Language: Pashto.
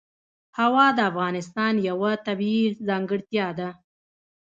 هوا د افغانستان یوه طبیعي ځانګړتیا ده.